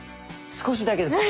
少しだけです。